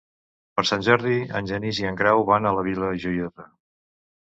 Per Sant Jordi en Genís i en Grau van a la Vila Joiosa.